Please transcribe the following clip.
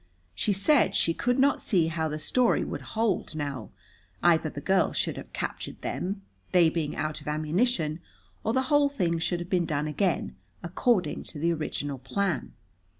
She said she could not see how the story would hold now. Either the girl should have captured them, they being out of ammunition, or the whole thing should have been done again, according to the original plan.